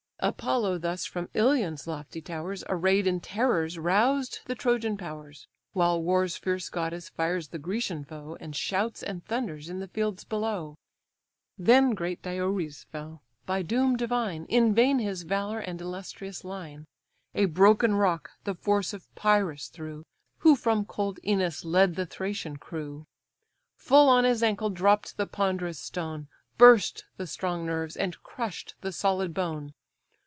Apollo thus from Ilion's lofty towers, Array'd in terrors, roused the Trojan powers: While war's fierce goddess fires the Grecian foe, And shouts and thunders in the fields below. Then great Diores fell, by doom divine, In vain his valour and illustrious line. A broken rock the force of Pyrus threw, (Who from cold Ænus led the Thracian crew,) Full on his ankle dropp'd the ponderous stone, Burst the strong nerves, and crash'd the solid bone.